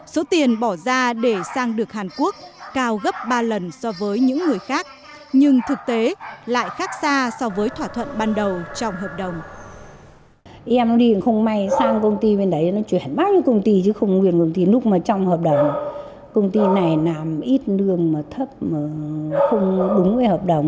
số tiền bỏ ra để sang được hàn quốc cao gấp ba lần so với những người khác nhưng thực tế lại khác xa so với thỏa thuận ban đầu trong hợp đồng